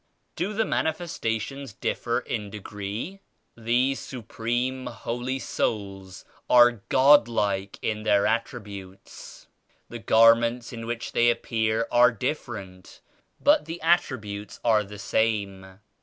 "Do the Manifestations differ in degree?" "These Supreme Holy Souls are God like in their attributes. The garments in which they ap pear are different but the attributes are the same.